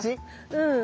うん。